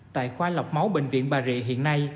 tại khoa lọc máu bệnh viện bà rịa hiện nay